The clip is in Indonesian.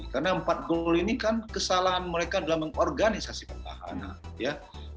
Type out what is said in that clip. karena empat gol ini kan kesalahan mereka dalam mengorganisasi pertahanan